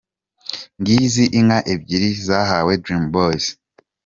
Ngizi inka ebyiri zahawe Dream Boyz.